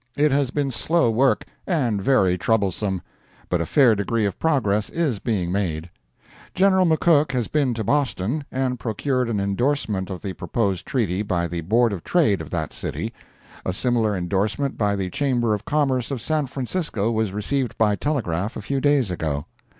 It has been slow work, and very troublesome, but a fair degree of progress is being made. General McCook has been to Boston, and procured an endorsement of the proposed treaty by the Board of Trade of that city; a similar endorsement by the Chamber of Commerce of San Francisco was received by telegraph a few days ago.